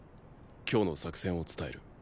今日の作戦を伝える。